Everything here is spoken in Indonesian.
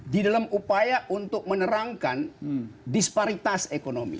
di dalam upaya untuk menerangkan disparitas ekonomi